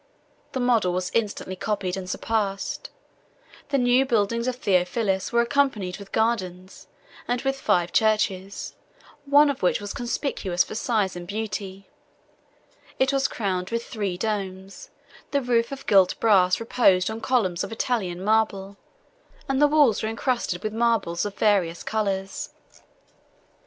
The model was instantly copied and surpassed: the new buildings of Theophilus 34 were accompanied with gardens, and with five churches, one of which was conspicuous for size and beauty: it was crowned with three domes, the roof of gilt brass reposed on columns of Italian marble, and the walls were incrusted with marbles of various colors.